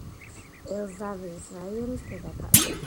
ელ-ზავიის რაიონის დედაქალაქი.